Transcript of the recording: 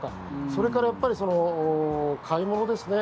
それからやっぱり買い物ですね。